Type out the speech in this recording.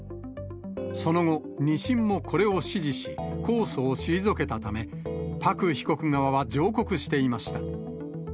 その後、２審もこれを支持し、控訴を退けたため、パク被告側は上告していました。